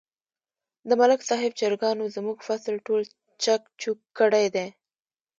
د ملک صاحب چرگانو زموږ فصل ټول چک چوک کړی دی.